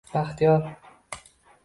baxtiyor —